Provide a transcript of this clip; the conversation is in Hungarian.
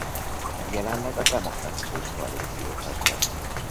Jelenleg a Demokratikus Koalíció tagja.